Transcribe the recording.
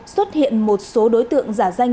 xuất hiện một số đối tượng giả danh